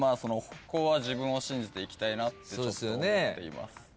ここは自分を信じていきたいなって思っています。